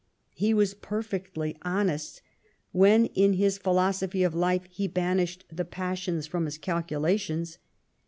He was perfectly honest when in his philosophy of life he banished the passions from his calculations.